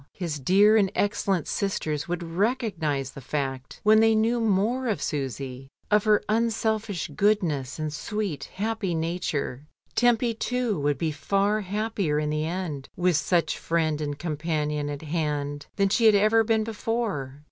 His dear and excellent sisters would recognise the fact when they knew more of Susy, of her unselfish goodness and sweet happy nature. Tempy, too, would be far happier in the end with such friend and companion at hand, than she had ever been before.